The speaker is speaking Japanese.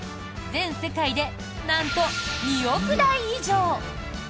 全世界で、なんと２億台以上。